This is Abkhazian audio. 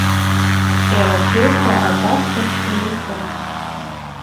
Иара иҽеиқәа адәы агәҭахьшәа иҟан.